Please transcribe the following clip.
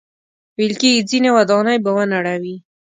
ویل کېږي ځینې ودانۍ به ونړوي.